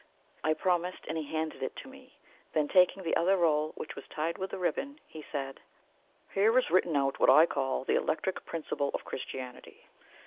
I promised, and he handed it to me. Then taking the other roll, which was tied with ribbon, he said, "Here is written out what I call the Electric Principle of Christianity.